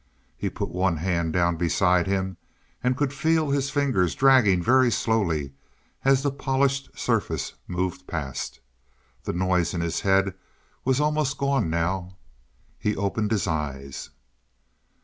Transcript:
He put one hand down beside him, and could feel his fingers dragging very slowly as the polished surface moved past. The noise in his head was almost gone now. He opened his eyes.